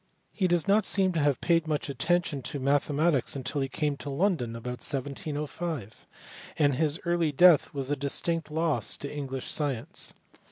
He does not seem to have paid much attention to mathematics until he came to London about 1705, and his early death was a distinct loss to English science.